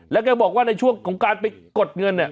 แล้วก็บอกว่าในช่วงของการไปกดเงินเนี่ย